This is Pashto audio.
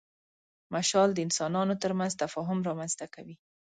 مشال د انسانانو تر منځ تفاهم رامنځ ته کوي.